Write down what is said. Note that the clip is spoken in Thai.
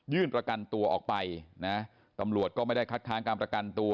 ประกันตัวออกไปนะตำรวจก็ไม่ได้คัดค้างการประกันตัว